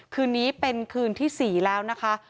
คืนนี้เป็นคืนที่๔แล้วนะคะ